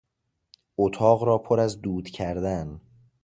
اتاق را پر از دود کردن